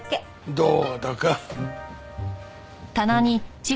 どうだか。